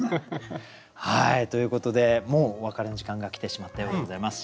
ということでもうお別れの時間が来てしまったようでございます。